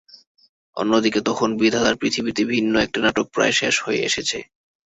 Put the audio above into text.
অন্যদিকে তখন বিধাতার পৃথিবীতে ভিন্ন একটা নাটক প্রায় শেষ হয়ে এসেছে।